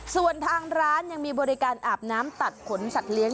ส่วนทางร้านยังมีบริการอาบน้ำตัดขนสัตว์เลี้ย